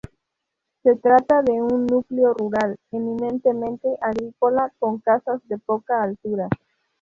Se trata de un núcleo rural, eminentemente agrícola, con casas de poca altura.